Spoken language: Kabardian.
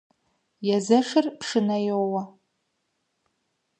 Езэшыр пшынэ йоуэ.